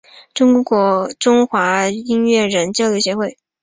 中华音乐人交流协会